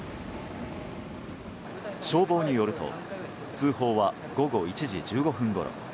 消防によると通報は午後１時１５分ごろ。